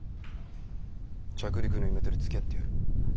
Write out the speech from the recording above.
着陸のイメトレつきあってやる。